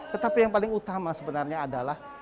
tetapi yang paling utama sebenarnya adalah